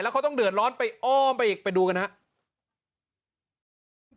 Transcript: แล้วเขาต้องเดินร้อนไปอ้อมไปอีกไปดูกันนะครับ